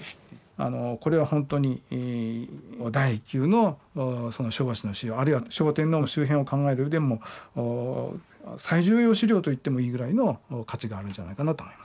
これは本当に第一級の昭和史の資料あるいは昭和天皇の周辺を考えるうえでも最重要資料と言ってもいいぐらいの価値があるんじゃないかなと思います。